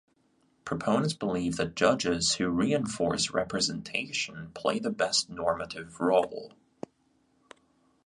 Proponents believe that judges who reinforce representation play the best normative role.